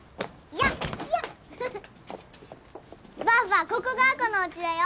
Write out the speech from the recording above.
ばあばここが亜子のおうちだよ。